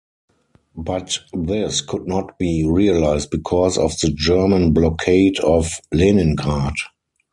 But this could not be realized because of the German blockade of Leningrad.